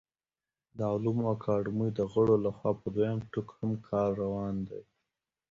د علومو اکاډمۍ د غړو له خوا په دویم ټوک هم کار روان دی